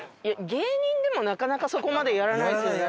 芸人でもなかなかそこまでやらないですよね。